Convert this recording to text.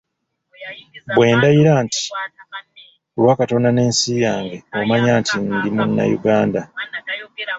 Bwe ndayira nti, ῝Ku lwa Katonda n'ensi yange, ” omanya nti ndi Munnayuganda.